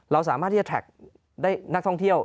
เราสามารถที่จะแท็กได้นักท่องเที่ยว